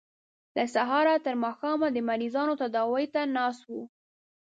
له سهاره تر ماښامه د مریضانو تداوۍ ته ناست وو.